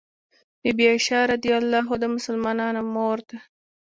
بي بي عائشه رض د مسلمانانو مور ده